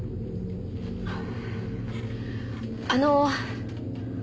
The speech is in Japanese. あの。